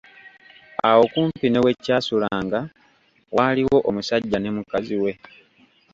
Awo okumpi ne wekyasulanga waaliwo omusajja ne mukaziwe.